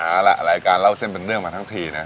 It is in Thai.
เอาล่ะรายการเล่าเส้นเป็นเรื่องมาทั้งทีนะ